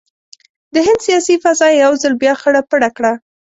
د هند سیاسي فضا یو ځل بیا خړه پړه کړه.